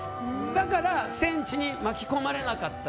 だから戦地に巻き込まれなかった。